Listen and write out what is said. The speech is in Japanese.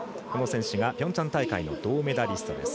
この選手、ピョンチャン大会の銅メダリスト。